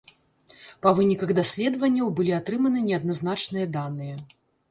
Па выніках даследаванняў былі атрыманы неадназначныя даныя.